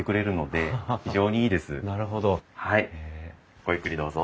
ごゆっくりどうぞ。